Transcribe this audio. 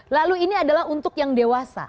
lalu ini adalah untuk yang dewasa